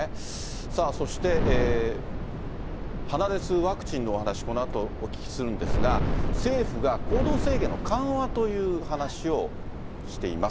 さあ、そして鼻で吸うワクチンのお話、このあとお聞きするんですが、政府が行動制限の緩和という話をしています。